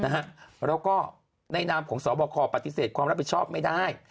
แล้วก็ในนามของสบคปฏิเสธความรับผิดชอบไม่ได้